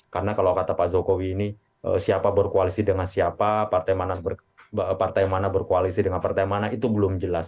karena kalau kata pak jokowi ini siapa berkoalisi dengan siapa partai mana berkoalisi dengan partai mana itu belum jelas